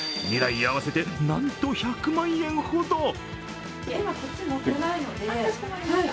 ２台合わせてなんと１００万円ほど。